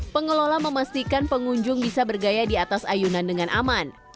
pengelola memastikan pengunjung bisa bergaya di atas ayunan dengan aman